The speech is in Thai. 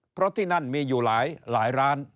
เพราะที่นั่นมีอยู่หลายร้าน